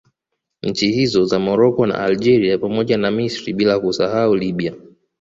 Nchi hizi za Morocco na Algeria pamoja na Misri bila kuisahau Libya